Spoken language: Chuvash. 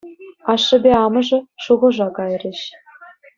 Ашшӗпе амӑшӗ шухӑша кайрӗҫ.